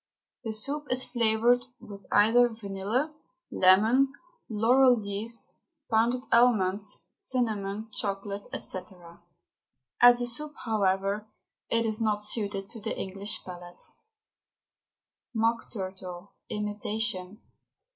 The soup is flavoured with either vanilla, lemon, laurel leaves, pounded almonds, cinnamon, chocolate, &c. As a soup, however, it is not suited to the English palate. MOCK TURTLE, IMITATION.